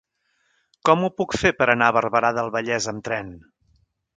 Com ho puc fer per anar a Barberà del Vallès amb tren?